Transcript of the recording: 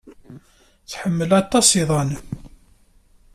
Tḥemmel aṭas iḍan.